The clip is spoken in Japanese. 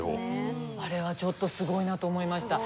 あれはちょっとすごいなと思いました。